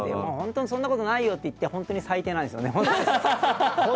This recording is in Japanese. そんなことないよ！って行っても本当に最悪なんですよね。